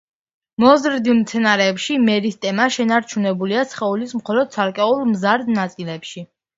მოზრდილ მცენარეში მერისტემა შენარჩუნებულია სხეულის მხოლოდ ცალკეულ, მზარდ ნაწილებში.